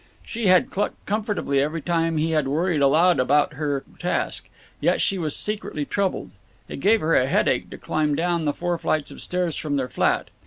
She had clucked comfortably every time he had worried aloud about her task. Yet she was secretly troubled. It gave her a headache to climb down the four flights of stairs from their flat.